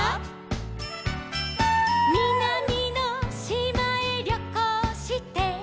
「みなみのしまへりょこうして」